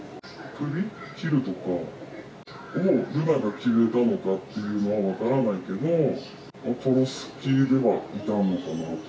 首を切るとかを、もう瑠奈が決めたのかというのは分からないけど、殺す気ではいたのかなと。